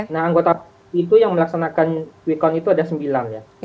nah anggota itu yang melaksanakan quick count itu ada sembilan ya